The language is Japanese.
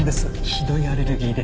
ひどいアレルギーで